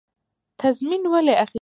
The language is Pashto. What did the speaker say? تضمین ولې اخیستل کیږي؟